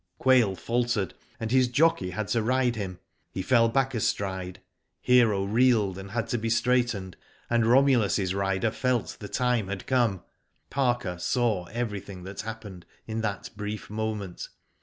Quail faltered, and his jockey had to ride him. He fell hack a stride. Hero reeled, and had to be straightened, and Romulus's rider felt the time had come. Parker saw everything that happened in that brief moment.